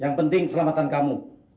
yang penting keselamatan kamu